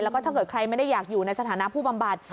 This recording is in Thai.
แล้วก็ถ้าเกิดใครไม่ได้อยากอยู่ในสถานะผู้บำบัด